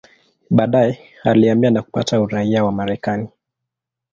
Baadaye alihamia na kupata uraia wa Marekani.